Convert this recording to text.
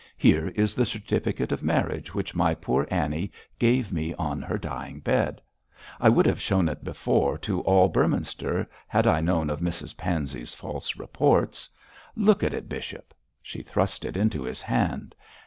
'Here is the certificate of marriage which my poor Annie gave me on her dying bed. I would have shown it before to all Beorminster had I known of Mrs Pansey's false reports. Look at it, bishop.' She thrust it into his hand.